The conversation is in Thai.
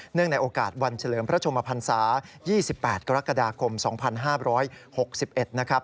ในโอกาสวันเฉลิมพระชมพันศา๒๘กรกฎาคม๒๕๖๑นะครับ